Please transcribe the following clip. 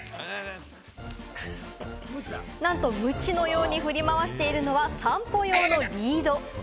なんとムチのように振り回しているのは散歩用のリード。